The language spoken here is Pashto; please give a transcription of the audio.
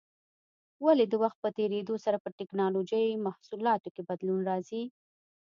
ولې د وخت په تېرېدو سره په ټېکنالوجۍ محصولاتو کې بدلون راځي؟